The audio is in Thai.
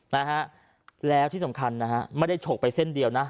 นะฮะแล้วที่สำคัญนะฮะไม่ได้ฉกไปเส้นเดียวนะ